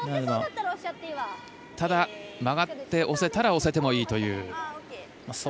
ただ、曲がって押せたら押してもいいという。